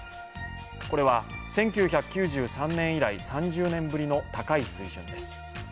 これは１９９３年以来３０年ぶりの高い水準です。